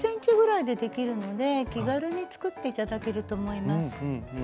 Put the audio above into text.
５０ｃｍぐらいでできるので気軽に作って頂けると思います。